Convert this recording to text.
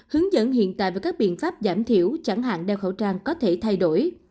hướng dẫn hiện tại về các biện pháp giảm thiểu chẳng hạn đeo khẩu trang có thể thay đổi